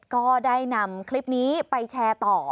ก็ได้นำคลิปนี้ไปแชร์ต่อ